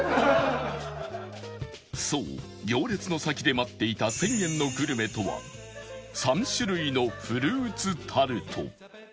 そう行列の先で待っていた１０００円のグルメとは３種類のフルーツタルト